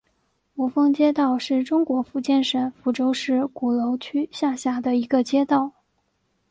五凤街道是中国福建省福州市鼓楼区下辖的一个街道。